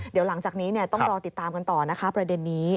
เดี๋ยวหลังจากนี้ต้องรอติดตามกันต่อนะคะประเด็นนี้